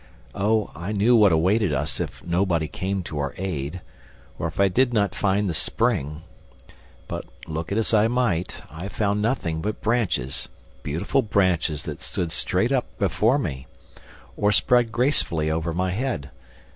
Oh, I knew what awaited us if nobody came to our aid ... or if I did not find the spring! But, look as I might, I found nothing but branches, beautiful branches that stood straight up before me, or spread gracefully over my head.